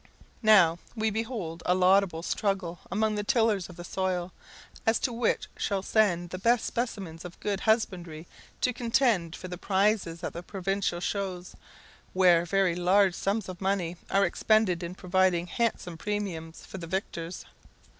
Now, we behold a laudable struggle among the tillers of the soil, as to which shall send the best specimens of good husbandry to contend for the prizes at the provincial shows, where very large sums of money are expended in providing handsome premiums for the victors.